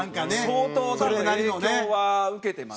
相当多分影響は受けてますね。